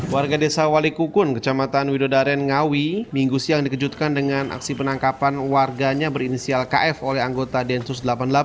warga desa wali kukun kecamatan widodaren ngawi minggu siang dikejutkan dengan aksi penangkapan warganya berinisial kf oleh anggota densus delapan puluh delapan